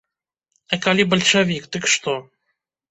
А калі бальшавік, дык што?